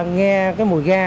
nghe cái mùi ga